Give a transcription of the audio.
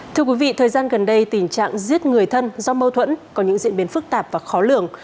thưa quý vị thời gian gần đây tình trạng giết người thân do mâu thuẫn có những diễn biến phức tạp và khó lường